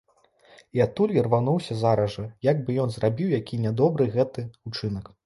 І адтуль ірвануўся зараз жа, як бы ён зрабіў які нядобры гэта ўчынак.